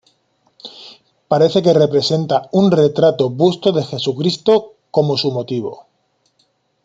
Parece que representa un retrato busto de Jesucristo como su motivo.